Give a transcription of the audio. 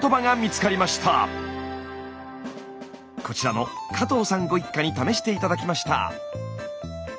こちらの加藤さんご一家に試して頂きました。